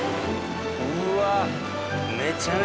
うわ。